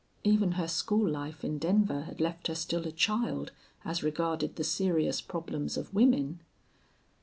Even her school life in Denver had left her still a child as regarded the serious problems of women.